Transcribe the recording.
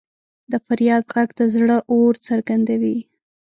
د فریاد ږغ د زړه اور څرګندوي.